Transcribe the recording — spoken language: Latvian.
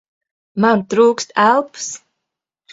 Man trūkst elpas!